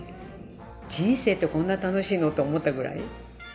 「人生ってこんな楽しいの？」って思ったぐらい。